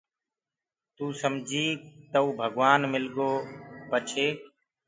توٚ سمجيٚ تئو ڀگوآن مِلگو پڇي